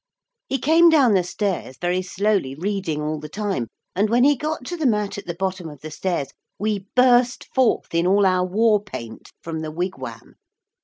He came down the stairs very slowly, reading all the time, and when he got to the mat at the bottom of the stairs we burst forth in all our war paint from the wigwam.